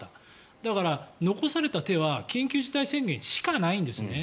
だから、残された手は緊急事態宣言しかないんですね。